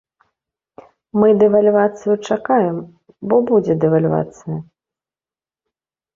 Мы дэвальвацыю чакаем, бо будзе дэвальвацыя.